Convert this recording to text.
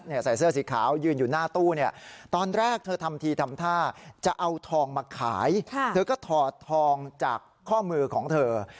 ใส่เสื้อสีขาวยืนอยู่หน้าตู้